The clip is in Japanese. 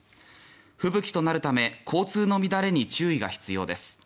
吹雪となるため交通の乱れに注意が必要です。